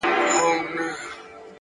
o زه مي له ژونده په اووه قرآنه کرکه لرم؛